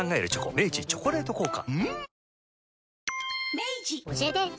明治「チョコレート効果」